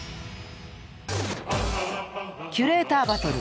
キュレーターバトル